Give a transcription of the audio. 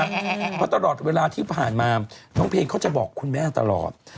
เพราะตลอดเวลาที่ผ่านมาน้องเพลงเขาจะบอกคุณแม่ตลอด